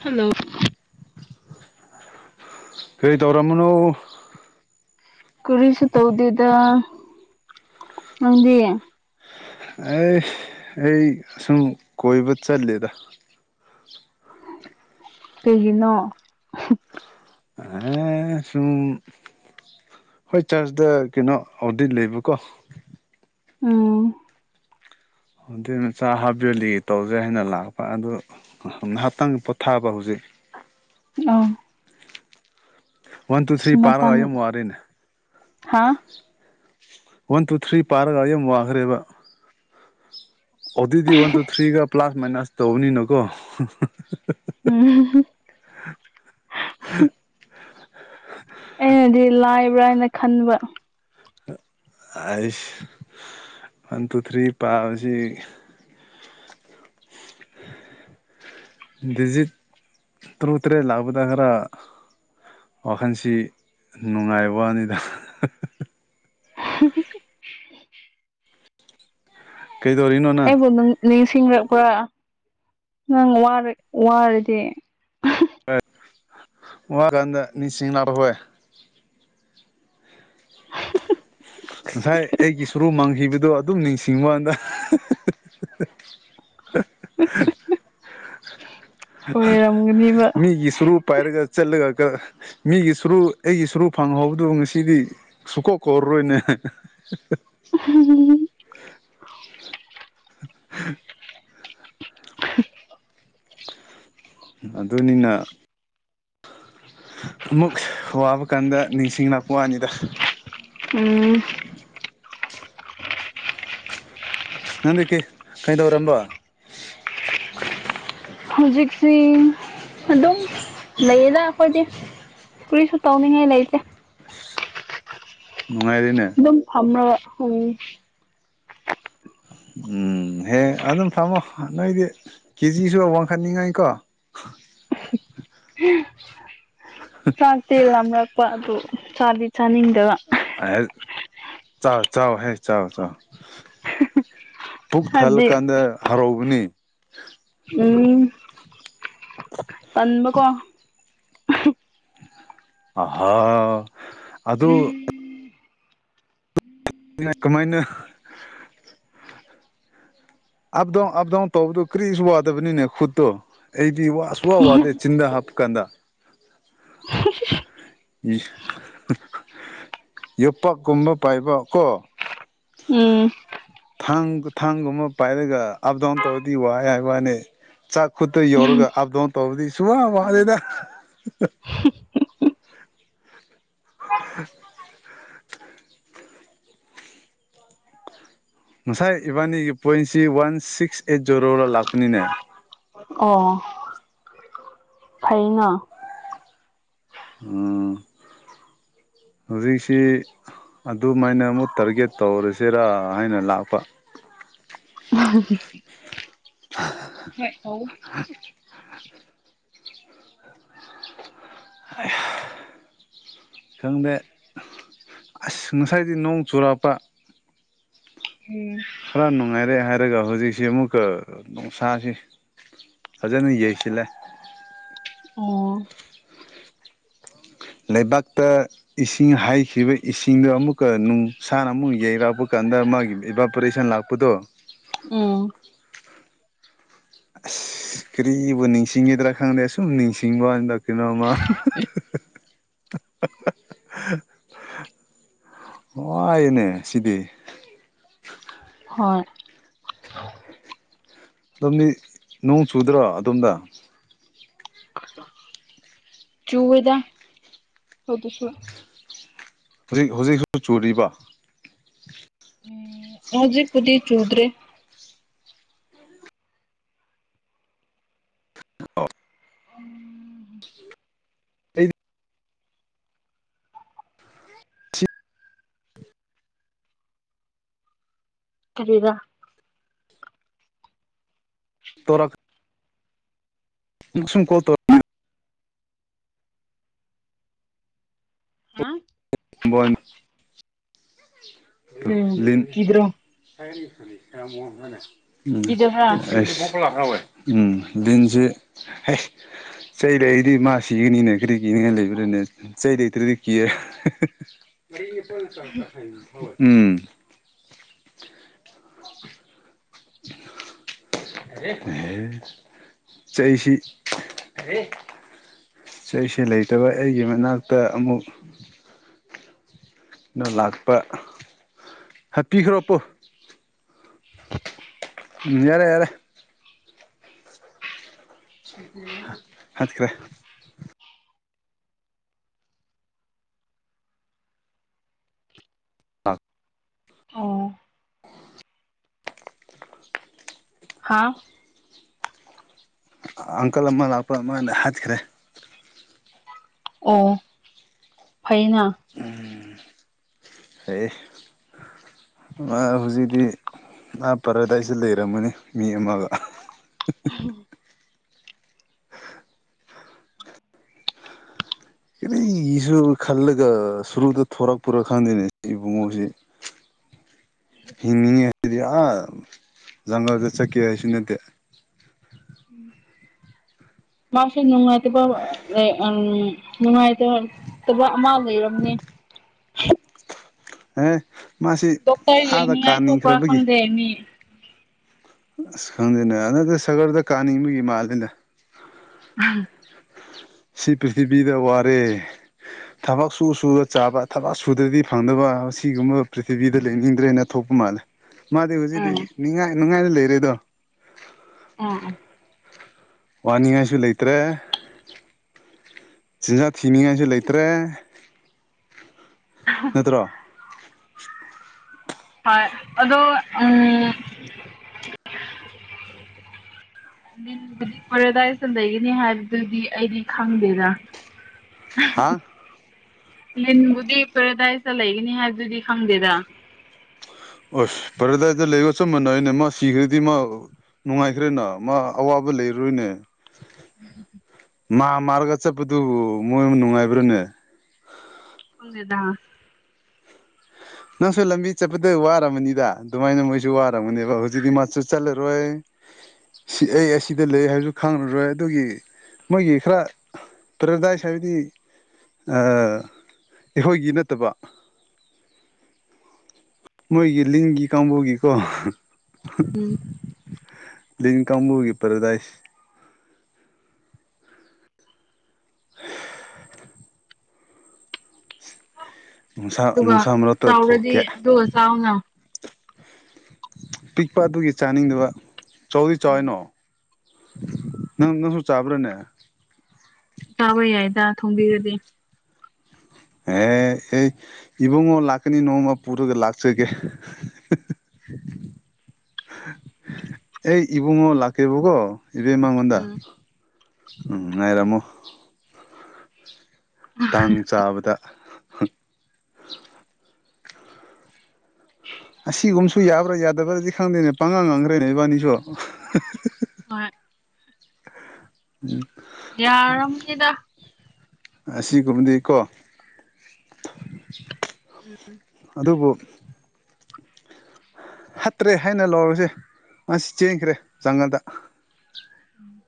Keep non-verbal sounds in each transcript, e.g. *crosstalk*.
hello ꯀ꯭ꯔꯤ ꯇꯧꯔꯝꯕꯅ‌ꯣ ꯀꯔꯤꯁꯨ ꯇꯧꯗꯦꯗ ꯅꯪꯗꯤ ꯑꯩ ꯑꯩ ꯁꯨꯝ ꯀꯣꯏꯕ ꯆꯠꯂꯦꯗ ꯀꯩꯒꯤꯅꯣ ꯑꯦ ꯁꯨꯝ ꯍꯣꯏ ꯆꯥꯔꯖꯇ ꯀꯩꯅꯣ ꯑꯣꯗꯤꯠ ꯂꯩꯕꯀꯣ ꯎꯝ ꯑꯗꯨꯩ ꯃꯆꯥ ꯍꯥꯕꯌ‌ꯦꯔꯂꯤ ꯇꯧꯁꯦ ꯍꯥꯏꯅ ꯂꯥꯛꯄ ꯑꯗꯨ ꯉꯥꯏꯍꯥꯛꯇꯪ ꯄꯣꯊꯥꯕ ꯍꯧꯖꯤꯛ ꯑꯥ ꯋꯥꯟ ꯇꯨ ꯑꯁ ꯊ꯭ꯔꯤ ꯄꯥꯔꯒ ꯃꯇꯝꯝ ꯌꯥꯝ ꯋꯥꯔꯦꯅꯦ ꯍꯥꯥ ꯋꯥꯟ ꯇꯨ ꯊ꯭ꯔꯤ ꯄꯥꯔꯒ ꯑꯩ ꯌꯥꯝ ꯋꯥꯈ꯭ꯔꯦꯕ ꯑꯣꯗꯤꯗꯤ ꯋꯥꯟ ꯇꯨ ꯊ꯭ꯔꯤꯒ ꯄ꯭ꯂꯥꯁ ꯃꯥꯏꯅꯁ ꯇꯧꯕꯅꯤꯅꯀꯣ ꯎꯝ ꯑꯩꯅꯗꯤ ꯂꯥꯏꯕ꯭ꯔꯥꯅ ꯈꯟꯕ ꯑꯥꯏꯁ ꯋꯥꯟ ꯇꯨ ꯊ꯭ꯔꯤ ꯄꯥꯕꯁꯤ ꯗꯤꯖꯤꯠ ꯇꯔꯨꯛ ꯇꯔꯦꯠ ꯂꯛꯄꯗ ꯈꯔꯥ ꯋꯥꯈꯟꯁꯤ ꯅꯨꯡꯉꯥꯏꯕꯅꯤꯗ ꯑꯩꯕꯨ ꯅꯪ ꯅꯤꯡꯁꯤꯡꯔꯛꯄ꯭ꯔꯥ ꯅꯪ ꯋꯥꯔꯛ ꯋꯥꯔꯗꯤ *unintelligible* ꯉꯁꯥꯏ ꯑꯩꯒꯤ ꯁꯨꯔꯨꯛ ꯃꯥꯡꯈꯤꯕꯗꯣ ꯑꯗꯨꯝ ꯅꯤꯡꯁꯤ ꯑꯣꯏꯔꯝꯒꯅꯤꯕ *unintelligible* ꯃꯤꯒꯤ ꯁꯨꯔꯨ ꯄꯥꯏꯔꯒ ꯆꯠꯂꯒꯥ ꯀꯥ ꯃꯤꯒꯤ ꯁꯨꯔꯨ ꯑꯩꯒꯤ ꯁꯨꯔꯨ ꯐꯪꯍꯧꯕꯗꯨ ꯉꯁꯤꯗꯤ ꯁꯨꯀꯧ ꯀꯧꯔꯥꯔꯣꯏꯅꯦ ꯎꯝ ꯎ *unintelligible* ꯑꯗꯨꯅꯤꯅ ꯑꯃꯨꯛ ꯋꯥꯕ ꯀꯥꯟꯗ ꯅꯤꯡꯁꯤꯡ ꯂꯥꯛꯄ ꯋꯥꯅꯤꯗ ꯎꯝ ꯅꯪꯗꯤ ꯀꯦ ꯀꯩꯗꯧꯔꯝꯕ ꯍꯧꯖꯤꯛꯁꯤ ꯑꯗꯨꯝ ꯂꯩꯌꯦꯗ ꯑꯩꯈꯣꯏꯗꯤ ꯀꯔꯤꯁꯨ ꯇꯧꯅꯤꯡꯉꯥꯏ ꯂꯩꯇꯦ ꯅꯨꯡꯉꯥꯏꯔꯦꯅꯦ ꯑꯗꯨꯝ ꯐꯝꯔꯥꯒ ꯎꯝ ꯎꯝ ꯍꯦ ꯑꯗꯨꯝ ꯐꯝꯃꯣ ꯅꯣꯏꯗꯤ ꯀꯦꯖꯤꯁꯨ ꯋꯥꯡꯈꯠꯅꯤꯡꯉꯥꯏꯀꯣ ꯆꯥꯛꯇꯤ ꯂꯥꯝꯔꯛꯄ ꯑꯗꯨ ꯆꯥꯗꯤ ꯆꯥꯅꯤꯡꯗꯕ ꯍꯥꯏꯠ ꯆꯥꯎ ꯆꯥꯎ ꯍꯥꯏ ꯆꯥꯎ ꯆꯥꯎ ꯄꯨꯛ ꯍꯥꯏꯕꯗꯤ ꯊꯥꯜꯂꯀꯥꯟꯗ ꯍꯔꯥꯎꯕꯅꯤ ꯎꯝ ꯇꯟꯕꯥꯀꯣ ꯑꯍꯥ ꯑꯗꯨ *inaudible* *unintelligible* ꯑꯞ ꯗꯥꯎꯟ ꯑꯞ ꯗꯥꯎꯟ ꯇꯧꯕꯗꯨ ꯀ꯭ꯔꯤꯁꯨ ꯋꯥꯗꯕꯅꯤꯅꯦ ꯈꯨꯠꯇꯣ ꯑꯩꯗꯤ ꯋꯥꯁꯨ ꯄꯨꯋꯥ ꯋꯥꯗꯦ ꯆꯤꯟꯗ ꯍꯥꯞꯄꯀꯥꯟꯗ *unintelligible* ꯏꯁ ꯌꯣꯄꯥꯛ ꯀꯨꯝꯕ ꯄꯥꯏꯕ ꯀꯣ ꯎꯝ ꯊꯥꯡ ꯒꯨꯊꯥꯡꯒꯨꯝꯕ ꯄꯥꯏꯔꯒ ꯑꯞ ꯗꯥꯎꯟ ꯇꯧꯔꯗꯤ ꯋꯥꯏ ꯍꯥꯏꯕ ꯋꯥꯅꯦ ꯆꯥꯛ ꯈꯨꯠꯇ ꯌꯧꯔꯒ ꯑꯞ ꯗꯥꯎꯟ ꯇꯧꯕꯗꯤ ꯁꯨꯡꯋꯥ ꯋꯥꯗꯦꯗ *unintelligible* ꯉꯁꯥꯏ ꯏꯕꯥꯅꯤꯒꯤ ꯄꯣꯏꯟꯁꯤ ꯋꯥꯟ ꯁꯤꯛꯁ ꯑꯦꯠ ꯖꯦꯔꯣꯗ ꯂꯥꯛꯄꯅꯤꯅꯦ ꯑꯣ ꯐꯩꯅꯥ ꯎꯝ ꯍꯧꯖꯤꯛꯁꯤ ꯑꯗꯨꯃꯥꯏꯅ ꯑꯃꯨꯛ ꯇꯥꯔꯒꯦꯠ ꯇꯧꯔꯁꯤꯔꯥ ꯍꯥꯏꯅ ꯂꯥꯛꯄ *unintelligible* *inaudible* *inaudible* ꯈꯪꯗꯦ ꯑꯁ ꯉꯁꯥꯏꯗꯤ ꯅꯣꯡ ꯆꯨꯔꯛꯄ *unintelligible* ꯈꯔ ꯅꯨꯡꯉꯥꯏꯔꯦ ꯍꯥꯏꯔꯒ ꯍꯧꯖꯤꯛꯁꯤ ꯑꯃꯨꯛꯀ ꯅꯨꯡꯁꯥꯁꯤ ꯐꯖꯅ ꯌꯩꯁꯤꯜꯂꯦ ꯑꯣ ꯂꯩꯕꯥꯛꯇ ꯏꯁꯤꯡ ꯍꯩꯈꯤꯕ ꯏꯁꯤꯡꯗꯣ ꯑꯃꯨꯛꯀ ꯅꯨꯡꯁꯥꯅ ꯑꯃꯨꯛ ꯌꯩꯔꯛꯄ ꯀꯥꯟꯗ ꯃꯥꯒꯤ ꯏꯕꯥꯄꯣꯔꯦꯁꯟ ꯂꯥꯛ ꯄꯗꯣ ꯎꯝ ꯑꯁ ꯀꯔꯤꯕꯨ ꯅꯤꯡꯁꯤꯡꯉꯤꯗ꯭ꯔꯥ ꯈꯪꯗꯦ ꯁꯨꯝ ꯅꯤꯡꯁꯤꯡꯕꯋꯥꯟꯗꯛ ꯀꯩꯅꯣ ꯑꯃ ꯋꯥꯏꯑꯦꯅꯦ ꯁꯤꯗꯤ ꯍꯣꯏ ꯗꯣꯝꯗꯤ ꯅꯣꯡ ꯆꯨꯗ꯭ꯔꯣ ꯑꯗꯣꯝꯗ ꯆꯨꯋꯦꯗ ꯍꯧꯖꯤꯛꯁꯨ ꯍꯨꯖꯤꯛ ꯍꯨꯖꯤꯛꯁꯨ ꯆꯨꯔꯤꯕ ꯎꯝ ꯍꯧꯖꯤꯛꯄꯨꯗꯤ ꯆꯨꯗ꯭ꯔꯦ *unintelligible* ꯑꯩꯗꯤ ꯁꯤ ꯀꯔꯤꯔꯥ *unintelligible* *unintelligible* ꯍꯥ ꯕꯣꯟ ꯎꯝ ꯀꯤꯗ꯭ꯔꯣ *unintelligible* ꯀꯤꯗꯕ꯭ꯔꯥ *unintelligible* ꯆꯩ ꯂꯩꯔꯗꯤ ꯃꯥ ꯁꯤꯒꯅꯤꯅꯦ ꯀꯔꯤꯒꯤ ꯌꯦꯡꯉꯥ ꯂꯩꯕ꯭ꯔꯅꯦ *unintelligible* *inaudible* *unintelligible* ꯆꯩꯁꯨ ꯂꯩꯇꯕ ꯑꯩꯒꯤ ꯃꯅꯥꯛꯇ ꯑꯃꯨꯛ ꯅꯪ ꯂꯥꯛꯄ ꯍꯥꯠꯄꯤꯈ꯭ꯔꯣ ꯑꯄꯨ ꯎꯝ ꯌꯥꯔꯦ ꯌꯥꯔꯦ ꯍꯥꯠꯈ꯭ꯔꯦ ꯑꯣ ꯍꯥꯥꯎ ꯑ ꯑꯪꯀꯜ ꯑꯃ ꯂꯥꯛꯄ ꯃꯣꯏꯅ ꯍꯥꯠꯈ꯭ꯔꯦ ꯑꯣ ꯐꯩꯌꯦꯅ ꯎꯝ ꯐꯩꯌꯦ ꯃꯥ ꯍꯧꯖꯤꯛꯇꯤ ꯑꯥ ꯄꯔꯗꯥꯏꯁꯗ ꯂꯩꯔꯝꯃꯅꯤ ꯃꯤ ꯑꯃꯒ *unintelligible* ꯀꯔꯤꯒꯤꯁꯨ ꯈꯜꯂꯒ ꯁꯣꯔꯣꯛꯗ ꯊꯣꯔꯛꯄꯔꯣ ꯈꯪꯗꯦꯅꯦ ꯁꯤ ꯏꯕꯨꯡꯉꯣꯁꯤ ꯍꯤꯡꯉꯤꯌꯦ ꯁꯤꯗꯤ ꯑꯥ ꯖꯪꯒꯜꯗ ꯆꯠꯀꯦ ꯍꯥꯏꯁꯨ ꯅꯠꯇꯦ ꯃꯥꯁꯦ ꯅꯨꯡꯉꯥꯏꯇꯕ ꯑꯦ ꯑꯝ ꯅꯨꯡꯉꯥꯏꯇꯕ ꯇꯕ ꯑꯃ ꯂꯩꯔꯝꯅꯤ ꯍꯣꯏ ꯃꯥꯁꯤ ꯑꯥꯗ ꯀꯥꯅꯤꯡꯈ꯭ꯔꯕꯒꯤ ꯇꯦꯅꯤ ꯑꯁ ꯈꯪꯗꯦꯅꯦ ꯑꯗꯨꯗꯤ ꯁꯔꯒꯔꯗ ꯀꯥꯅꯤꯡꯕꯒꯤ ꯃꯥꯜꯂꯦꯅꯦ *unintelligible* ꯁꯤ ꯄ꯭ꯔꯤꯊꯤꯕꯤꯗ ꯋꯥꯔꯦ ꯊꯕꯛ ꯁꯨ ꯁꯨꯔꯥ ꯆꯥꯕ ꯊꯕꯛ ꯁꯨꯗ꯭ꯔꯗꯤ ꯐꯪꯗꯕ ꯑꯁꯤꯒꯨꯝꯕ ꯄ꯭ꯔꯤꯊꯤꯕꯤꯗ ꯂꯩꯅꯤꯡꯗ꯭ꯔꯦꯅ ꯊꯣꯛꯄ ꯃꯥꯜꯂꯦ ꯃꯥꯗꯤ ꯍꯨꯖꯤꯛꯗꯤ ꯎꯝ ꯅꯨꯡꯉꯥꯏ ꯅꯨꯡꯉꯥꯏꯅ ꯂꯩꯔꯦꯗꯣ ꯑꯥ ꯑꯥ ꯋꯥꯅꯤꯡꯉꯥꯏꯁꯨ ꯂꯩꯇ꯭ꯔꯦ ꯆꯤꯟꯖꯥꯛ ꯊꯤꯅꯤꯡꯉꯥꯏꯁꯨ ꯂꯩꯇ꯭ꯔꯦ ꯅꯠꯇꯔꯣ ꯍꯣꯏ ꯑꯗꯣ ꯎꯝ ꯂꯤꯟꯕꯨꯗꯤ ꯄꯦꯔꯦꯗꯥꯏꯁꯗ ꯂꯩꯒꯅꯤ ꯍꯥꯏꯕꯗꯨꯗꯤ ꯑꯩꯗꯤ ꯈꯪꯗꯦꯗ ꯍꯥꯥ ꯂꯤꯟꯕꯨꯗꯤ ꯄꯔꯗꯥꯏꯇ ꯂꯩꯒꯅꯤ ꯍꯥꯏꯕꯗꯨꯗꯤ ꯈꯪꯗꯦꯗ ꯑꯣ ꯐꯔꯦ ꯇꯥꯏ ꯂꯩꯒꯁꯣ ꯃꯅꯅꯦ ꯃꯥ ꯁꯤꯈꯔꯤꯗꯤ ꯃꯥ ꯅꯨꯡꯉꯥꯏꯈ꯭ꯔꯦꯅ ꯃꯥ ꯑꯋꯥꯕ ꯂꯩꯔꯔꯣꯏꯅꯦ ꯎ ꯃꯥ ꯃꯥꯔꯒ ꯆꯠꯄꯗꯨ ꯃꯣꯏ ꯑꯃ ꯅꯨꯡꯉꯥꯏꯕ꯭ꯔꯥꯅꯦ *inaudible* ꯅꯪꯁꯨ ꯂꯝꯕꯤ ꯆꯠꯄꯗ ꯋꯥꯔꯝꯃꯅꯤꯗ ꯑꯗꯨꯃꯥꯏꯅ ꯃꯣꯏꯁꯨ ꯋꯥꯔꯝꯃꯅꯦꯕ ꯍꯧꯖꯤꯛꯇꯤ ꯃꯥꯁꯨ ꯆꯠꯂꯔꯣꯏ ꯁꯤ ꯑꯩ ꯑꯁꯤꯗ ꯂꯩ ꯍꯥꯏꯕꯁꯨ ꯈꯪꯉꯔꯣꯏ ꯑꯗꯨꯒꯤ ꯃꯣꯏꯒꯤ ꯈꯔ ꯄ꯭ꯔꯗꯥꯏꯁ ꯍꯥꯏꯕꯗꯤ ꯑꯩꯈꯣꯏꯒꯤ ꯅꯠꯇꯕ ꯃꯣꯏꯒꯤ ꯂꯤꯡꯒꯤ ꯀꯥꯡꯕꯨꯒꯤꯀꯣ ꯎꯝ ꯂꯤ ꯀꯝꯕꯨꯒꯤ ꯄꯔꯗꯥꯏꯁ *inaudible* ꯅꯨꯡꯁꯥ ꯑꯗꯨꯒ ꯅꯨꯡꯁꯥ ꯃꯔꯛꯇ ꯆꯥꯎꯔꯗꯤ ꯊꯣꯛꯀꯦ ꯑꯗꯨꯒ ꯆꯥꯎꯅ ꯄꯤꯛꯄ ꯑꯗꯨꯒꯤ ꯆꯥꯅꯤꯡꯗꯨ ꯆꯥꯎꯧꯗꯤ ꯎꯝ ꯆꯥꯎꯏꯅꯣ ꯅꯪ ꯅꯪꯁꯨ ꯆꯥꯕ꯭ꯔꯥꯅꯦ ꯇꯥꯕ ꯌꯥꯏꯗ ꯊꯣꯡꯕꯤꯔꯗꯤ ꯑꯦ ꯑꯦ ꯏꯕꯨꯡꯉꯣ ꯂꯥꯛꯀꯅꯤ ꯅꯣꯡꯃ ꯄꯨꯔꯛꯒ ꯂꯥꯛꯁ ꯀꯦ ꯑꯩ ꯏꯕꯨꯡꯉ ꯑꯣ ꯂꯥꯛꯀꯦꯔꯤꯕꯒꯣ ꯏꯚ ꯃꯉꯣꯟꯗ ꯎꯝ ꯎꯝ ꯉꯥꯏꯔꯃꯣ ꯇꯥꯡ ꯆꯥꯕꯗ ꯑꯁꯤꯒꯨꯝꯕꯁꯨ ꯌꯥꯕ꯭ꯔꯥ ꯌꯥꯗꯕ꯭ꯔꯥꯗꯤ ꯈꯪꯗꯦꯅꯦ ꯄꯥꯡꯉꯥꯡ ꯉꯥꯡꯈ꯭ꯔꯦꯅꯦ ꯏꯕꯥꯅꯤꯁꯨ ꯑ ꯎꯝ ꯌꯥꯔꯕꯔꯕꯅꯤꯗ ꯑꯁꯤ ꯀꯨꯝꯗꯤꯀꯣ ꯎꯝ ꯑꯗꯨꯕꯨ ꯍꯠꯇ꯭ꯔꯦ ꯍꯥꯏꯅ ꯂꯧꯔꯁꯦ ꯉꯁꯤ ꯆꯦꯟꯈ꯭ꯔꯦ ꯆꯪꯉꯗ ꯎꯝ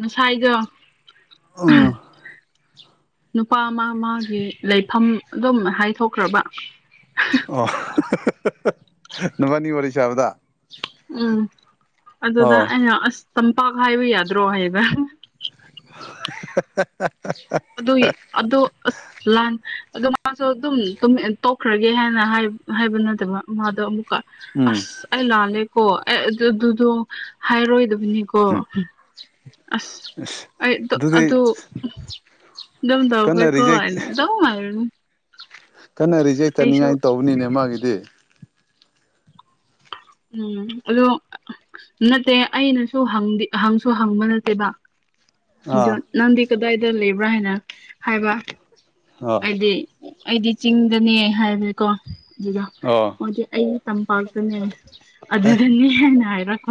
ꯉꯁꯥꯏꯒ ꯎ ꯅꯨꯄꯥ ꯑꯃ ꯃꯥꯒꯤ ꯂꯩꯐꯝ ꯑꯗꯨꯝ ꯍꯥꯏꯊꯣꯛꯈ꯭ꯔꯕ ꯑꯣ ꯅꯨꯕꯥꯅꯤ ꯋꯥꯔꯤ ꯁꯥꯕꯗ ꯎꯝ ꯑꯗꯨꯗ ꯑꯣ ꯑꯩꯅ ꯑꯁ ꯇꯝꯄꯥꯛ ꯍꯥꯏꯕ ꯌꯥꯗ꯭ꯔꯣ ꯍꯥꯏꯒ *inaudible* ꯑꯗꯨ ꯑꯗꯨꯗ ꯑ ꯂꯥꯟ ꯑꯣ ꯃꯥꯁꯨ ꯑꯗꯨꯝ ꯇꯣꯛꯈ꯭ꯔꯒꯦ ꯍꯥꯏꯅ ꯍꯥꯏꯕ ꯅꯠꯇꯕ ꯃꯥꯗꯣ ꯑꯃꯨꯛ ꯎꯝ ꯑꯁ ꯑꯩ ꯂꯥꯜꯂꯦꯀꯣ ꯑꯩ ꯑꯗꯨ ꯑꯗꯨꯗꯣ ꯍꯥꯏꯔꯣꯏꯗꯕꯅꯤꯀꯣ ꯎꯝ ꯑꯁ ꯑꯩꯗꯣ ꯑꯗꯨ ꯀꯟꯅ ꯗꯝꯗꯈꯩ ꯀꯣ ꯍꯥꯏꯅ ꯃ ꯍꯥꯏꯔꯅꯤ ꯀꯟꯅꯔꯤꯁꯦ ꯍ ꯑꯩꯁꯨ ꯆꯅꯤꯡꯉꯥꯏ ꯇꯧꯕꯅꯤꯅꯦ ꯃꯥꯒꯤꯗꯤ ꯎꯝ ꯑꯗꯣ ꯅꯠꯇꯦ ꯑꯩꯅꯁꯨꯪꯗꯤ ꯍꯪꯁꯨ ꯍꯪꯕ ꯅꯠꯇꯦꯕ ꯑ ꯑꯥ ꯅꯪꯗꯤ ꯀꯗꯥꯏꯗ ꯂꯩꯕ꯭ꯔꯥ ꯍꯥꯏꯅ ꯍꯥꯏꯕ ꯑꯥ ꯍꯥꯏꯗꯤ ꯑꯩꯗꯤ ꯆꯤꯡꯗꯅꯦ ꯍꯥꯏꯔꯦꯀꯣ ꯑꯗꯨꯗ ꯑꯣ ꯃꯗꯤ ꯑꯩ ꯇꯝꯄꯥꯛꯇꯅꯦ ꯑꯗꯨꯗꯅꯦ ꯍꯥꯏꯅ ꯍꯥꯏꯔꯛꯀꯣ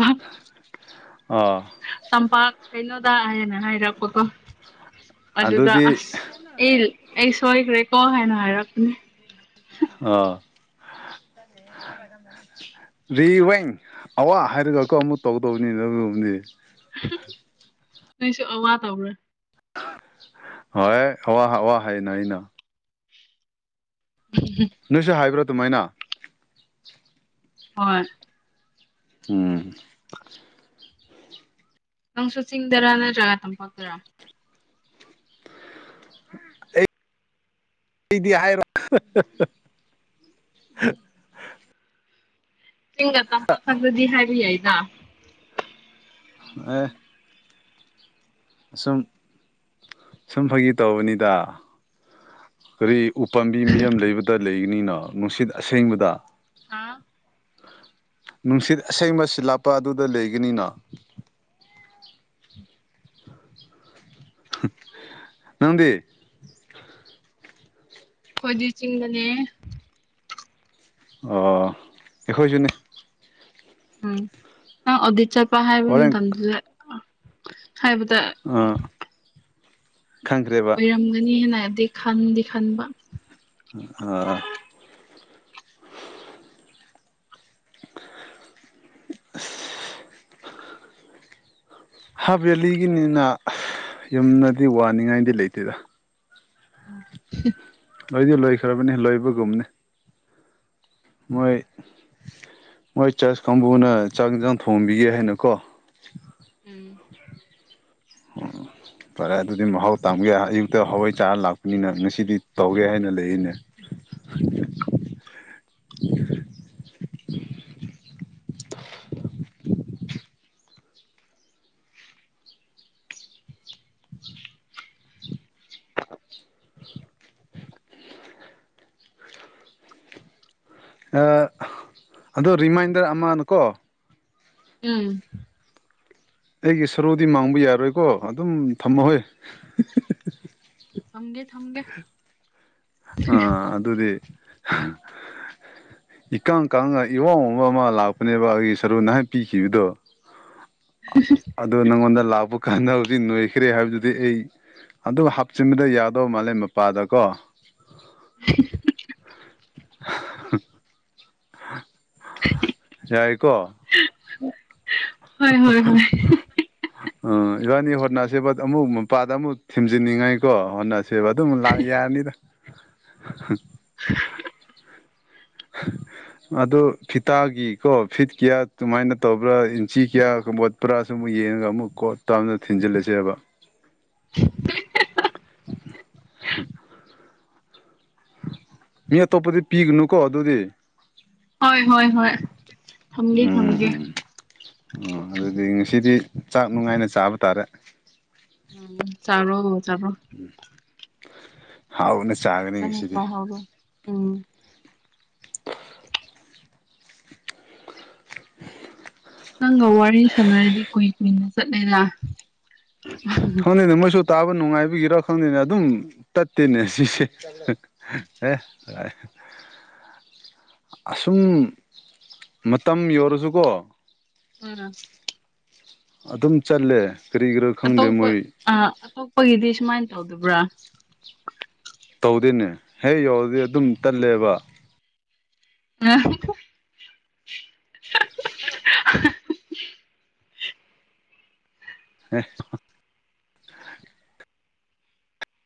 ꯑ ꯇꯝꯄꯥꯛ ꯀꯩꯅꯣꯗ ꯍꯥꯏꯅ ꯍꯥꯏꯔꯛꯄꯗꯣ ꯑꯗꯨꯗ ꯑꯗꯨꯗꯤ ꯑꯁ ꯑꯦ ꯑꯩ ꯁꯣꯏꯈ꯭ꯔꯦ ꯀꯣ ꯍꯥꯏꯅ ꯍꯥꯏꯔꯛꯄꯅꯦ ꯑꯣ ꯔꯤ ꯋꯥꯦꯡ ꯑꯋꯥ ꯍꯥꯏꯔꯒ ꯑꯩꯈꯣꯏ ꯑꯃꯨꯛ ꯇꯧꯗꯕꯅꯤ ꯑꯗꯨꯅꯤ ꯅꯣꯏꯁꯨ ꯑꯋꯥ ꯇꯧꯕ꯭ꯔꯥ ꯍꯣꯏ ꯑꯋꯥ ꯑꯋꯥ ꯍꯥꯏꯅ ꯑꯩꯅ ꯎꯝ ꯅꯣꯏꯁꯨ ꯍꯥꯏꯕ꯭ꯔꯥ ꯑꯗꯨꯃꯥꯏꯅ ꯍꯣꯏ ꯎꯝ *inaudible* ꯅꯪꯁꯨ ꯆꯤꯡꯗꯔꯥ ꯅꯠꯇ꯭ꯔꯒ ꯇꯝꯄꯥꯛꯇꯔꯥ ꯑꯩꯗꯤ ꯍꯥꯏꯔꯣ ꯆꯤꯡꯒ ꯇꯝꯄꯥꯛꯊꯛꯇꯗꯤ ꯍꯥꯏꯕ ꯌꯥꯏꯗ ꯑꯦ ꯑ ꯁꯨꯝ ꯁꯨꯝ ꯐꯥꯒꯤ ꯇꯧꯕꯅꯤꯗ ꯀꯔꯤ ꯎꯄꯥꯝꯕꯤ ꯃꯤꯌꯌꯥꯝ ꯂꯩꯕꯗ ꯂꯩꯒꯅꯤꯅꯣ ꯅꯨꯡꯁꯤꯠ ꯑꯁꯦꯡꯕꯗ ꯍꯥ ꯅꯨꯡꯁꯤꯠ ꯑꯁꯦꯡꯕ ꯁꯤꯠ ꯂꯥꯞꯄ ꯑꯗꯨꯗ ꯂꯩꯒꯅꯤꯅꯣ ꯅꯪꯗꯤ ꯑꯩꯈꯣꯏꯗꯤ ꯆꯤꯡꯗꯅꯦ ꯑꯣ ꯑꯩꯈꯣꯏꯁꯨꯅꯦ ꯎꯝ ꯑꯗꯤꯠ ꯆꯄ ꯍꯥꯏꯕ ꯍꯣꯔꯦꯟ ꯊꯗꯨ ꯍꯥꯏꯕꯗ ꯈꯪꯈ꯭ꯔꯦꯕ ꯅꯤ ꯍꯦꯟꯅꯗꯤ ꯈꯟꯗꯤ ꯈꯟꯕ ꯑ *inaudible* ꯍꯥ ꯕꯦꯜꯂꯤꯒꯤꯅꯤꯅ ꯌꯨꯝꯗꯗꯤ ꯋꯥꯅꯤꯡꯉꯥꯏꯗꯤ ꯂꯩꯇꯦꯗ ꯎꯝ ꯂꯣꯏꯗꯤ ꯂꯣꯏꯈ꯭ꯔꯕꯅꯤ ꯂꯣꯏꯕꯒꯨꯝꯅꯤ ꯃꯣꯏ ꯃꯣꯏ ꯆꯥꯁ ꯀꯥꯡꯕꯨꯅ ꯆꯥꯛ ꯌꯦꯟꯁꯥꯡ ꯊꯣꯡꯕꯤꯒꯦ ꯍꯥꯏꯅꯀꯣ ꯎꯝ *unintelligible* ꯐꯔꯦ ꯑꯗꯨꯗꯤ ꯃꯍꯥꯎ ꯇꯥꯒꯦ ꯑꯌꯨꯛꯇ ꯍꯋꯥꯏ ꯆꯥꯔ ꯂꯥꯛꯄꯅꯤꯅ ꯉꯁꯤꯗꯤ ꯇꯧꯒꯦ ꯍꯥꯏꯅ ꯂꯩꯔꯤꯅꯦ ꯑꯗꯣ ꯔꯤꯃꯥꯏꯟꯗꯔ ꯑꯃꯅꯨꯀꯣ ꯎꯝ ꯑꯩꯒꯤ ꯁꯔꯨꯗꯤ ꯃꯥꯡꯕ ꯌꯥꯔꯣꯏꯀꯣ ꯑꯗꯨꯝ ꯊꯝꯃꯍꯣꯏ ꯊꯝꯒꯦ ꯊꯝꯒꯦ ꯑꯥ ꯑꯗꯨꯗꯤ ꯏꯀꯥꯡ ꯀꯥꯡꯉ ꯏꯋꯥꯥꯎ ꯑꯃ ꯂꯥꯛꯄꯅꯦꯕ ꯑꯩꯒꯤ ꯁꯔꯨ ꯅꯍꯥꯛ ꯄꯤꯈꯤꯕꯗꯣ ꯑꯗꯨꯗ ꯅꯪꯉꯣꯟꯗ ꯂꯥꯛꯄ ꯀꯥꯟꯗ ꯍꯧꯖꯤꯛ ꯅꯣꯏꯈ꯭ꯔꯦ ꯍꯥꯏꯕꯗꯨꯗꯤ ꯑꯩ ꯑꯗꯨꯒ ꯍꯥꯞꯆꯤꯟꯕꯗ ꯌꯥꯗꯧ ꯃꯥꯜꯂꯦ ꯃꯄꯥꯗꯀꯣ *inaudible* *inaudible* *inaudible* ꯌꯥꯏꯀꯣ ꯍꯣꯏ ꯍꯣꯏ ꯍꯣꯏ *inaudible* ꯎꯝ ꯏꯕꯥꯅꯤ ꯍꯣꯠꯅꯁꯤꯕ ꯑꯃꯨꯛ ꯃꯄꯥꯗ ꯑꯃꯨꯛ ꯊꯤꯟꯖꯤꯟꯅꯤꯡꯉꯥꯏꯀꯣ ꯍꯣꯠꯅꯁꯤ ꯁꯦꯕ ꯑꯗꯨꯝ ꯂꯥꯛ ꯌꯥꯔꯅꯤꯗ *unintelligible* ꯑꯗꯨ ꯐꯤꯇꯥꯒꯤꯀꯣ ꯐꯤꯠ ꯀꯌꯥ ꯑꯗꯨꯨꯃꯥꯏꯅ ꯇꯧꯕ꯭ꯔꯥ ꯆꯤ ꯀꯌꯥ ꯀꯕꯣꯠ ꯄꯨꯔꯥꯁꯨ ꯑꯃꯨꯛ ꯌꯦꯡꯉꯒ ꯑꯃꯨꯛ ꯀꯣꯠ ꯇꯥꯝꯅ ꯊꯤꯟꯖꯤꯜꯂꯁꯦꯕ ꯃꯤ ꯑꯇꯣꯞꯄꯗꯤ ꯄꯤꯒꯅꯨꯀꯣ ꯑꯗꯨꯗꯤ ꯍꯣꯏ ꯍꯣꯏ ꯍꯣꯏ ꯊꯝꯒꯦ ꯊꯝꯒꯦ ꯎꯝ ꯎꯝ ꯑꯣ ꯑꯗꯨꯗꯤ ꯉꯁꯤꯗꯤ ꯆꯥꯛ ꯅꯨꯡꯉꯥꯏꯅ ꯆꯥꯕ ꯇꯥꯔꯦ ꯎꯝ ꯆꯠꯔꯣ ꯆꯠꯔꯣ ꯎꯝ ꯍꯥꯎꯅꯦ ꯆꯥ ꯅꯣꯄꯥꯍꯧꯔꯣ ꯎꯝ ꯅꯪꯒ ꯋꯥꯔꯤ ꯁꯥꯟꯅꯔꯗꯤ ꯀꯨꯏ ꯀꯨꯏꯅ ꯆꯠꯂꯦꯗꯥ ꯎ ꯈꯪꯗꯦꯅꯦ ꯃꯣꯏꯁꯨ ꯇꯥꯕ ꯅꯨꯡꯉꯥꯏꯕꯒꯤꯔꯥ ꯈꯪꯗꯦꯅꯦ ꯑꯗꯨꯝ ꯇꯠꯇꯦꯅꯦ ꯁꯤꯁꯦ *inaudible* ꯑꯁꯨꯝ ꯃꯇꯝ ꯌꯧꯔꯁꯨꯀꯣ ꯎꯝ ꯑꯗꯨꯝ ꯆꯠꯂꯦ ꯀꯔꯤ ꯀꯔꯣ ꯑꯇꯣꯞꯄ ꯑ ꯑꯇꯣꯞꯄꯒꯤꯗꯤ ꯁꯨꯃꯥꯏꯅ ꯇꯧꯗꯕ꯭ꯔꯥ ꯇꯧꯗꯦꯅꯦ ꯍꯦꯛ ꯌꯧꯔꯗꯤ ꯑꯗꯨꯝ ꯇꯜꯂꯦꯕ *unintelligible* *inaudible* *inaudible*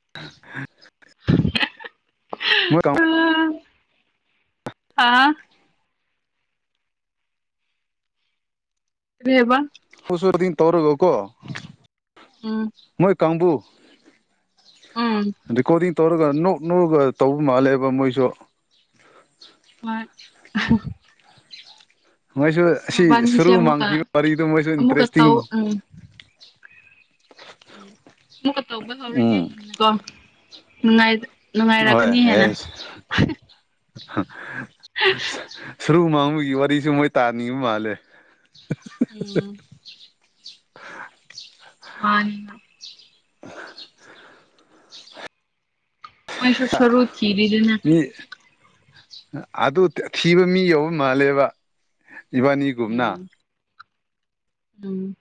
*inaudible* *unintelligible* ꯑꯥ ꯀꯥꯔꯤ ꯍꯥꯏ ꯕ ꯍꯨꯁꯨ ꯍꯗꯤꯡ ꯇꯧꯔꯒꯀꯣ ꯎꯝ ꯃꯣꯏ ꯀꯥꯡꯕꯨ ꯎꯝ ꯔꯦꯀꯣꯔꯗꯤꯡ ꯇꯧꯔꯒ ꯅꯣꯛ ꯅꯣꯛꯑꯒ ꯇꯧꯕ ꯃꯥꯜꯂꯦꯕ ꯃꯣꯏꯁꯨ *unintelligible* ꯃꯣꯏꯁꯨ ꯑꯁ ꯑꯁꯤ ꯃꯕꯥꯅꯤꯁꯦ ꯁꯔꯨ ꯑꯃꯨꯛꯀ ꯃꯥꯡꯈꯤꯕ ꯋꯥꯔꯤꯗꯨ ꯃꯣꯏꯁꯨ ꯑꯃꯨꯛꯀ ꯏꯟꯇꯔꯦꯁꯇꯤꯡ ꯇꯧ ꯎꯝ ꯎꯝ *inaudible* ꯅꯨꯡꯉꯥꯏꯔꯛꯀꯅꯤ ꯍꯥꯏꯦꯅ ꯁꯔꯨ ꯃꯥꯡꯕꯒꯤ ꯋꯥꯔꯤꯁꯨ ꯃꯣꯏ ꯇꯥꯅꯤꯡꯕ ꯃꯥꯜꯂꯦ ꯎꯝ ꯃꯥꯅꯤꯅ ꯃꯣꯏꯁꯨ ꯁꯔꯨ ꯊꯤꯔꯤꯗꯅ ꯃꯤ ꯑꯗꯨ ꯊꯤꯕ ꯃꯤ ꯌꯧꯕ ꯃꯥꯜꯂꯦꯕ ꯏꯕꯥꯅꯤ ꯎꯝ ꯎꯝ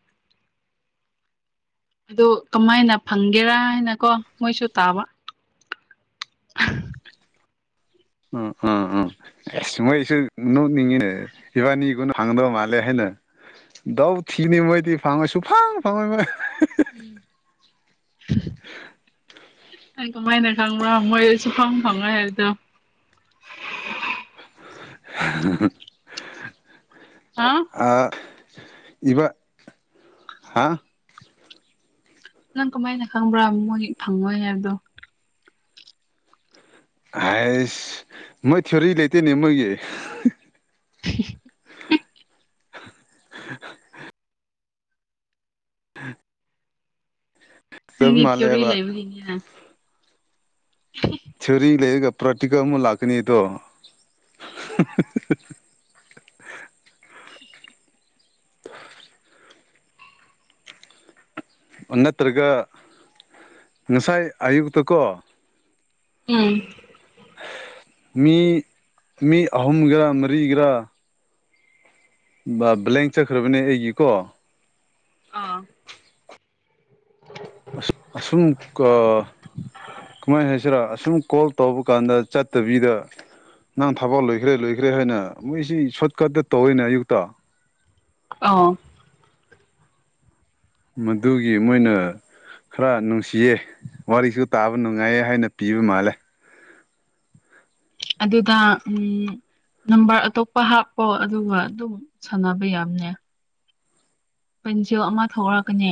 ꯑꯗꯨꯗ ꯀꯃꯥꯏꯅ ꯐꯪꯒꯦꯔꯥ ꯍꯥꯏꯅ ꯀꯣ ꯃꯣꯏꯁꯨ ꯇꯥꯕ *inaudible* ꯎꯝ ꯎꯝ ꯎꯝ ꯃꯣꯏꯁꯨꯅꯉꯤ ꯏꯕꯥꯅꯤꯒꯅ ꯐꯪꯗꯧ ꯃꯥꯂꯦ ꯍꯥꯏꯅ ꯗꯎ ꯊꯤꯅꯤ ꯃꯩꯗꯤ ꯐꯪꯉꯣꯏ ꯁꯨꯐꯪ ꯐꯪꯉꯣꯏ ꯃꯣꯏ *inaudible* ꯎꯝ ꯑꯩ ꯀꯃꯥꯏꯅ ꯈꯪꯕ꯭ꯔꯣ ꯃꯣꯏꯗ ꯁꯨꯐꯝꯪ ꯐꯪꯉꯣꯏ ꯍꯥꯏꯕꯗꯣ ꯍꯥ ꯑ ꯏꯕ ꯍꯥ ꯅꯪ ꯀꯃꯥꯏꯅ ꯈꯪꯕ꯭ꯔꯥ ꯃꯣꯏ ꯐꯪꯉꯣꯏ ꯍꯥꯏꯕꯗꯣ ꯑꯁ ꯃꯣꯏ ꯊꯤꯑꯣꯔꯤ ꯂꯩꯇꯦꯅꯦ ꯃꯣꯏꯒꯤ *inaudible* ꯎꯝ ꯁꯪꯒꯤꯤ ꯊ꯭ꯌꯔꯤ ꯃꯥꯜꯂꯦꯕ ꯂꯩꯕꯦ *inaudible* ꯁꯦꯔꯤ ꯂꯩꯔꯒ ꯄ꯭ꯔꯥꯇꯤꯀ ꯑꯃ ꯂꯥꯛꯀꯅꯤꯗꯣ *inaudible* ꯅꯠꯇ꯭ꯔꯒ ꯉꯁꯥꯏ ꯑꯌꯨꯛꯇꯛꯇꯀꯣ ꯎꯝ ꯃꯤ ꯃꯤ ꯑꯍꯨꯝꯒꯔꯥ ꯃꯔꯤꯒꯔꯥ ꯕ ꯕ꯭ꯂꯦꯡ ꯆꯠꯈ꯭ꯔꯕꯅꯦ ꯑꯩꯒꯤꯀꯣ ꯑꯥ *inaudible* ꯑꯁꯨꯝ ꯀ ꯀꯃꯥꯏ ꯍꯥꯏꯁꯤꯔꯥ ꯑꯁꯨꯝ ꯀꯣꯜ ꯇꯧꯕ ꯀꯥꯟꯗ ꯆꯠꯇꯕꯤꯗ ꯅꯪ ꯊꯕꯛ ꯂꯣꯏꯈ꯭ꯔꯦ ꯂꯣꯏꯈ꯭ꯔꯦ ꯍꯥꯏꯅ ꯃꯨꯏꯁꯤꯡ ꯁꯣꯠ ꯀꯠꯇ ꯇꯧꯋꯦꯅ ꯑꯌꯨꯛꯇ ꯑꯥ ꯃꯗꯨꯒꯤ ꯃꯣꯏꯅ ꯈꯔ ꯅꯨꯡꯁꯤꯌꯦ ꯋꯥꯔꯤꯁꯨ ꯇꯥꯕ ꯅꯨꯡꯉꯥꯏꯌꯦ ꯍꯥꯏꯅ ꯄꯤꯕ ꯃꯥꯜꯂꯦ ꯑꯗꯨꯗ ꯎꯝ ꯅꯝꯕꯔ ꯑꯇꯣꯞꯄ ꯍꯥꯞꯄꯣ ꯑꯗꯨꯒ ꯑꯗꯨꯝ ꯁꯥꯟꯅꯕ ꯌꯥꯝꯅꯦ ꯄꯟꯖꯣ ꯑꯃ ꯊꯣꯛꯂꯛꯀꯅꯤ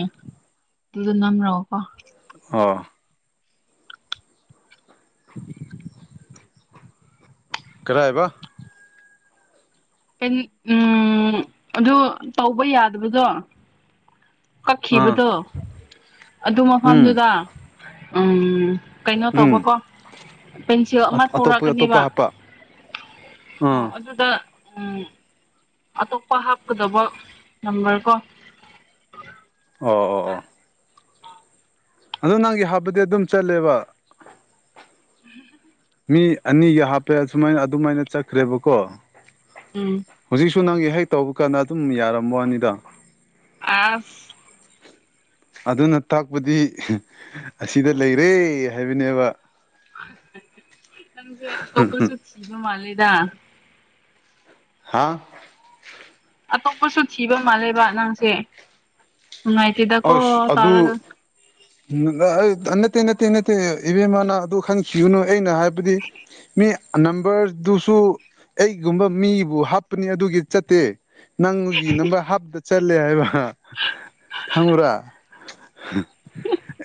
ꯑꯗꯨ ꯅꯝꯔꯣꯀꯣ ꯑꯣ *inaudible* ꯀꯔꯑꯕ *unintelligible* ꯎꯝ ꯑꯗꯨ ꯇꯧꯕ ꯌꯥꯗꯕꯗꯣ ꯑꯥ ꯀꯛꯈꯤꯕꯗꯣ ꯑꯗꯨ ꯎꯝ ꯃꯐꯝꯗꯨꯗ ꯎꯝ ꯀꯩꯅꯣ ꯎꯝ ꯇꯧꯕꯀꯣ ꯄꯦꯟꯁꯤꯜ ꯑꯃ ꯑꯇꯣꯞꯄ ꯑꯇꯣꯞꯄ ꯊꯣꯔꯛꯀꯅꯤꯕ ꯍꯥꯞꯄ ꯑꯣ ꯑꯥ ꯑꯗꯨꯗ ꯎꯝ ꯑꯇꯣꯞꯄ ꯍꯥꯞꯀꯗꯕ ꯅꯝꯕꯔ ꯀꯣ ꯑꯣ ꯑꯣ ꯑꯣ ꯑꯗꯣ ꯅꯪꯒꯤ ꯍꯥꯞꯄꯗꯤ ꯑꯗꯨꯝ ꯆꯠꯂꯦꯕ *inaudible* ꯃꯤ ꯑꯅꯤꯒ ꯍꯥꯞꯄꯦ ꯑꯁꯨꯃꯥꯏꯅ ꯑꯗꯨꯃꯥꯏꯅ ꯆꯠꯈ꯭ꯔꯦꯕꯀꯣ ꯎꯝ ꯍꯧꯖꯤꯛꯁꯨ ꯅꯪꯒꯤ ꯍꯦꯛ ꯇꯧꯕ ꯀꯥꯟꯗ ꯑꯗꯨꯝ ꯌꯥꯔꯝꯃꯅꯤꯗ ꯑꯁ *inaudible* ꯑꯗꯨꯅ ꯇꯥꯛꯄꯗꯤ ꯑꯁꯤꯗ ꯂꯩꯔꯦ ꯍꯥꯏꯕꯅꯦꯕ ꯅꯪꯁꯦ ꯑꯇꯣꯞꯄꯁꯨ ꯊꯤꯕ ꯃꯥꯜꯂꯦꯗ ꯍꯥꯥ ꯑꯇꯣꯞꯄꯁꯨ ꯊꯤꯕ ꯃꯥꯜꯂꯦꯕ ꯅꯪꯁꯦ ꯅꯨꯡꯉꯥꯏꯇꯦꯗꯀꯣ ꯑꯁ ꯑꯗꯨ ꯇꯧꯔꯒ *inaudible* *unintelligible* ꯅꯠꯇꯦ ꯅꯠꯇꯦ ꯏꯅꯠꯇꯦ ꯏꯕꯦ ꯃꯥꯥꯅ ꯑꯗꯨ ꯈꯪ *unintelligible* ꯒꯅꯨ ꯑꯩꯅ ꯍꯥꯏꯕꯗꯤ ꯃꯤ ꯅꯝꯕꯔꯗꯨꯁꯨ ꯑꯩꯒꯨꯝꯕ ꯃꯤꯕꯨ ꯍꯥꯞꯄꯅꯤ ꯑꯗꯨꯒꯤ ꯆꯠꯇꯦ ꯅꯪꯗꯨꯒꯤ ꯅꯝꯕꯔ ꯍꯥꯞꯇ ꯆꯠꯂꯦ ꯍꯥꯏꯕ ꯈꯪꯕꯔꯥ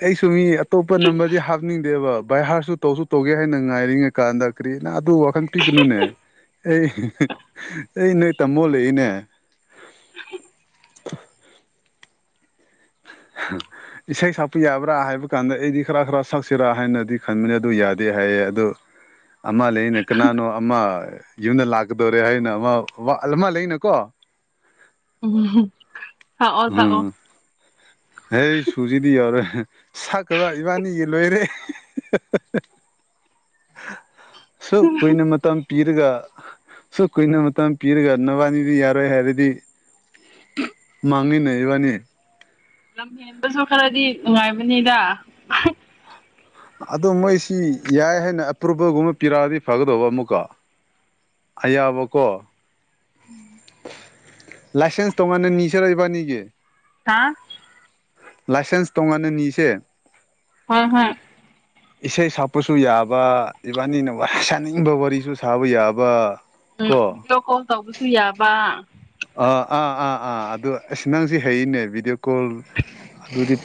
ꯑꯩꯁꯨ ꯃꯤ ꯑꯇꯣꯞꯄ ꯅꯝꯕꯔꯗꯤ ꯍꯥꯞꯅꯤꯡꯗꯦꯕ ꯚꯥꯏꯍꯥꯔꯁꯨ ꯇꯧꯁꯨ ꯇꯧꯒꯦ ꯍꯥꯏꯅ ꯉꯥꯏꯔꯤꯉꯩ ꯀꯥꯟꯗ ꯀ꯭ꯔꯤꯅ ꯑꯗꯨ ꯋꯥꯈꯟ ꯄꯤꯒꯅꯨꯅꯦ ꯑꯩ *inaudible* ꯑꯩ ꯃꯣꯜ ꯂꯩꯏꯅꯦ ꯇ *inaudible* ꯏꯁꯩ ꯁꯛꯄ ꯌꯥꯕ꯭ꯔꯥ ꯍꯥꯏꯕ ꯀꯥꯟꯗ ꯑꯩꯗꯤ ꯈꯔ ꯈꯔ ꯁꯛꯁꯤꯔꯥ ꯍꯥꯏꯅꯗꯤ ꯈꯟꯕꯅꯤ ꯑꯗꯨ ꯌꯥꯗꯦ ꯍꯥꯏꯌꯦ ꯑꯗꯨ ꯑꯃ ꯂꯩꯅꯦ ꯀꯅꯥꯅꯣ ꯑꯃ ꯌꯨꯝꯗ ꯂꯥꯛꯀꯗꯣꯔꯦ ꯍꯥꯏꯅ ꯑꯃ ꯂꯩꯅꯀꯣ ꯎꯝ ꯁꯥꯛꯑꯣ ꯁꯥꯥꯛꯑꯣ ꯍꯖ ꯍꯨꯖꯤꯗꯤ ꯌꯥꯔꯣꯏ ꯁꯛꯇꯕ ꯏꯕꯥꯅꯤꯒꯤ ꯂꯣꯏꯔꯦ ꯁꯨ ꯀꯨꯏꯅ ꯃꯇꯝ ꯄꯤꯔꯒ ꯁꯨꯛ ꯀꯨꯏꯅ ꯃꯇꯝ ꯄꯤꯔꯒ ꯅꯕꯥꯅꯤꯗꯤ ꯌꯥꯔꯣꯏ ꯍꯥꯏꯔꯗꯤ ꯃꯅꯤꯅꯦ ꯏꯕꯥꯅꯤ ꯂꯝ ꯍꯦꯟꯕꯁꯨ ꯈꯔꯗꯤ ꯅꯨꯡꯉꯥꯏꯕꯅꯤꯗ ꯑꯣ ꯃꯣꯏꯁꯤ ꯌꯥꯏ ꯍꯥꯏꯅ ꯑꯦꯄ꯭ꯔꯨꯕꯜꯒꯨꯝꯕ ꯄꯤꯔꯛꯑꯗꯤ ꯐꯒꯗꯧꯕ ꯑꯃꯨꯛꯀꯣ ꯑꯌꯥꯕꯀꯣ ꯎꯝ ꯂꯥꯏꯁꯦꯟꯁ ꯇꯣ ꯅ ꯅꯤꯡꯁꯔ ꯂꯩꯕ ꯅꯒꯤ ꯀꯥ ꯂꯥꯏꯁꯦꯟꯁ ꯇꯣꯡꯅ ꯅꯁꯦ ꯍꯣꯏ ꯍꯣꯏ *unintelligible* ꯏꯁꯩ ꯁꯛꯄꯁꯨ ꯌꯥꯕ ꯏꯕꯥꯅꯤꯅ ꯋꯥꯔꯤ ꯁꯥꯅꯤꯡꯕ ꯋꯥꯔꯤꯁꯨ ꯁꯥꯕ ꯌꯥꯕ ꯎꯝ ꯀꯣ ꯚꯤꯗꯤꯑꯣ ꯀꯣꯜ ꯇꯧꯕꯁꯨ ꯌꯥꯕ ꯑꯥ ꯑꯥ ꯑꯥ ꯑꯥ ꯑꯗꯨ ꯑꯁꯤ ꯅꯪꯁꯤ ꯍꯩꯅꯦ ꯚꯤꯗꯤꯑꯣ ꯀꯣꯜ ꯑꯗꯨꯗꯤ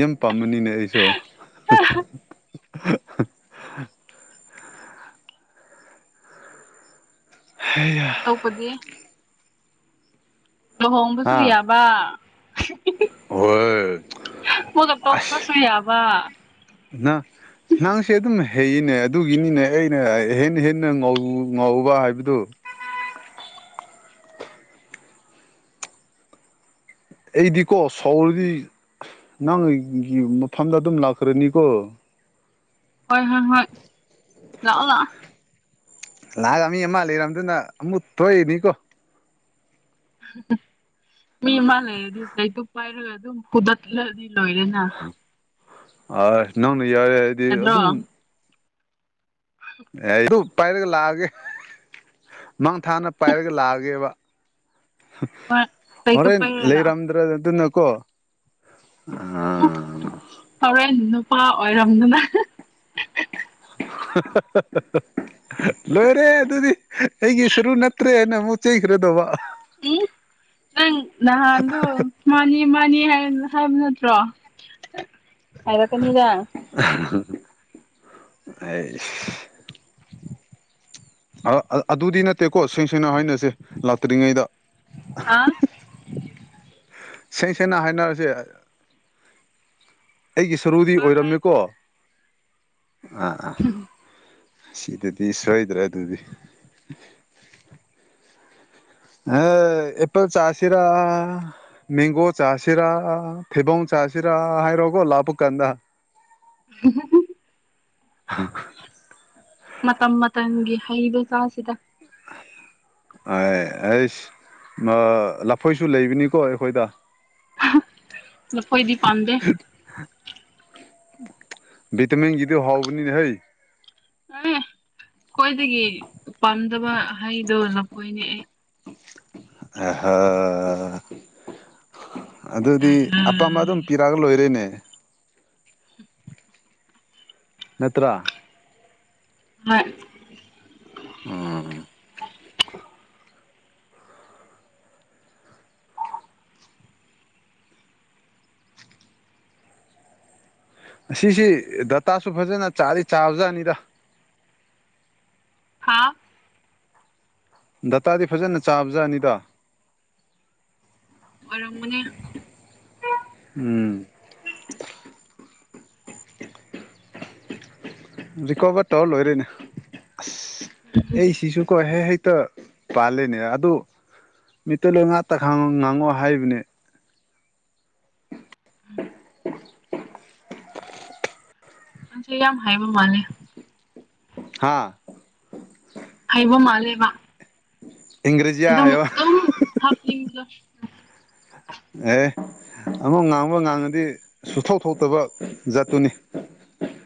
ꯌꯥꯝ ꯄꯥꯝꯕꯅꯤꯅꯦ ꯑꯩꯁꯨ ꯍ ꯌꯥ ꯑꯇꯣꯞꯄꯗꯤ ꯂꯨꯍꯣꯡꯕꯁꯨ ꯍꯥ ꯌꯥꯕ ꯍꯣꯏ ꯃꯣꯏꯗ ꯇꯣꯛꯄꯁꯨ ꯌꯥꯕ ꯅ ꯅꯪꯁꯦ ꯑꯗꯨꯝ ꯍꯩꯅꯦ ꯑꯗꯨꯒꯤꯅꯤꯅꯦ ꯑꯩꯅ ꯍꯦ ꯍꯦꯟꯅ ꯉ ꯉꯥꯎꯕ ꯍꯥꯏꯕꯗꯨꯣ ꯑꯩꯗꯤꯀꯣ ꯁꯥꯎꯔꯗꯤ ꯅꯪ ꯑꯩꯒꯤ ꯃꯐꯝꯗ ꯑꯗꯨꯝ ꯂꯥꯛꯈ꯭ꯔꯅꯤꯀꯣ ꯍꯣꯏ ꯍꯣꯏ ꯍꯣꯏ ꯂꯥꯛꯑꯣ ꯂꯥꯛꯑꯣ ꯂꯥꯛꯒ ꯃꯤ ꯑꯃ ꯂꯩꯔꯝꯗꯨꯅ ꯑꯃꯨꯛ ꯊꯣꯛꯏꯅꯤꯀꯣ ꯃꯤ ꯑꯃ ꯂꯩꯔꯗꯤ ꯂꯩꯇꯨ ꯄꯥꯏꯔꯒ ꯑꯗꯨꯝ ꯍꯨꯗꯠꯂꯗꯤ ꯂꯣꯏꯔꯦꯅ ꯑ ꯅꯪꯅ ꯌꯥꯔꯦ ꯍꯥꯏꯗꯤ ꯌꯥꯗ꯭ꯔꯣ ꯑꯗꯨꯝ ꯑꯦ ꯑꯗꯨ ꯄꯥꯏꯔꯒ ꯂꯥꯛꯑꯒꯦ ꯃꯥꯡ ꯊꯥꯅ ꯄꯥꯏꯔꯒ ꯂꯥꯛꯑꯒꯦꯕ ꯍꯣꯏ ꯂꯩꯇꯨꯞ ꯍꯣꯔꯦꯟ ꯄꯥꯏꯔꯒ ꯂꯥꯛꯑꯣ ꯂꯩꯔꯝꯗ꯭ꯔ ꯑꯗꯨꯅꯀꯣ ꯎꯝ ꯍꯣꯔꯦꯟ ꯅꯨꯄꯥ ꯑꯣꯏꯔꯝꯗꯨꯅ *unintelligible* ꯂꯣꯏꯔꯦ ꯑꯗꯨꯗꯤ ꯑꯩꯒꯤ ꯁꯔꯨ ꯅꯠꯇ꯭ꯔꯦ ꯍꯥꯏꯅ ꯑꯃꯨꯛ ꯆꯩꯈ꯭ꯔꯗꯧꯕ ꯎꯝ ꯅꯪ ꯅꯍꯥꯟ ꯑꯗꯨ ꯃꯥꯅꯤ ꯃꯥꯅꯤ ꯍꯥꯏꯕ ꯅꯠꯇ꯭ꯔꯣ ꯍꯥꯏꯔꯛꯀꯅꯤꯗ ꯑꯩ ꯑꯗꯨꯗꯤ ꯅꯠꯇꯦꯀꯣ ꯁꯦꯡ ꯁꯦꯡꯅ ꯍꯥꯏꯅꯁꯦ ꯂꯥꯛꯇ꯭ꯔꯤꯉꯩꯗ ꯍꯥꯥ ꯁꯦꯡ ꯁꯦꯡꯅ ꯍꯥꯏꯅꯔꯁꯦ ꯑꯩꯒꯤ ꯁꯔꯨꯗꯤ ꯍꯣꯏ ꯍꯣꯏ ꯑꯣꯏꯔꯝꯃꯦꯀꯣ ꯑꯥ ꯁꯤꯗꯗꯤ ꯁꯣꯏꯗ꯭ꯔꯦ ꯑꯗꯨꯗꯤ ꯑ ꯏꯄ ꯆꯥꯁꯤꯔ ꯅꯤꯡꯅꯤꯒꯣ ꯆꯥꯁꯤꯔꯥ ꯊꯤꯕꯣꯡ ꯆꯥꯁꯤꯔꯥ ꯍꯥꯏꯔꯣꯒꯣ ꯂꯥꯄꯨ ꯀꯥꯟꯗ ꯎ ꯃꯇꯝ ꯃꯇꯝꯒꯤ ꯍꯩꯕ ꯆꯥꯁꯤꯗ ꯑꯦ ꯑꯩꯁ ꯂꯐꯣꯏꯁꯨ ꯂꯩꯕꯅꯤꯀꯣ ꯑꯩꯈꯣꯏꯗ ꯂꯐꯣꯏꯏꯗꯤ ꯄꯥꯟꯗ ꯤꯇꯝꯤꯟ ꯒꯤꯗꯨ ꯍꯥꯎꯕꯅꯤ ꯍꯩ ꯎꯝ ꯈ꯭ꯋꯥꯏꯗꯒꯤ ꯄꯥꯝꯗꯕ ꯍꯩꯗꯣ ꯂꯐꯣꯏꯅꯦ ꯑꯩ ꯑꯍ ꯑꯗꯨꯗꯤ ꯑꯄꯥꯝꯕ ꯑꯗꯨꯝ ꯄꯤ ꯀꯔꯒ ꯂꯣꯏꯔꯦꯅꯦ ꯅꯠꯇ꯭ꯔ ꯍꯣꯏ ꯎꯝ ꯑꯁꯤꯁꯤ ꯗꯇꯥꯁꯨ ꯐꯖꯅ ꯆꯥꯗꯤ ꯆꯥꯕꯖꯥꯠꯅꯤꯗ ꯍꯥꯥꯎ ꯗꯇꯥꯗꯤ ꯐꯖꯅ ꯆꯥꯕ ꯖꯥꯠꯅꯤꯗ ꯑꫭꯏꯔꯝꯒꯅꯤ ꯎꯝ ꯔꯤꯀꯣꯚꯔ ꯇꯧꯔ ꯂꯣꯏꯔꯦꯅꯦ ꯑꯁ ꯑꯩ ꯁꯤꯁꯨ ꯍꯦ ꯍꯦꯛꯇ ꯄꯥꯜꯂꯤꯅꯦ ꯑꯗꯨ ꯃꯤꯇꯩꯇ ꯉꯥꯛꯇ ꯈꯪꯉꫭ ꯉꯥꯡꯉꯣꯑꯣ ꯍꯥꯏꯕꯅꯦ ꯅꯪꯁꯦ ꯌꯥꯝ ꯍꯥꯏꯕ ꯃꯥꯜꯂꯦ ꯍꯥꯥ ꯍꯥꯏꯕ ꯃꯥꯜꯂꯦꯕ ꯏꯪꯒ꯭ꯔꯦꯖꯤꯌꯥ ꯑꯗꯨꯝ ꯍꯥꯏꯌꯣ ꯗꯨꯝ ꯍꯥꯞꯅꯤꯡꯕꯗ ꯑꯦ ꯑꯃꯨꯛ ꯉꯥꯡꯉꫭ ꯉꯥꯡꯉꯗꯤ ꯁꯨꯊꯣꯛ ꯊꯣꯛꯇꯕ ꯖꯥꯠꯇꯨꯅꯤ